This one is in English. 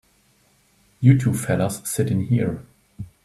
You two fellas sit in here.